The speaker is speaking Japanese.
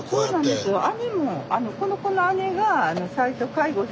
そうなんですよ。